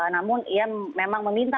namun ia memang meminta